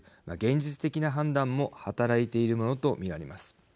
現実的な判断も働いているものと見られます。